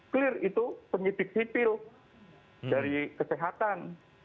clear itu penyidik sipil dari kesehatan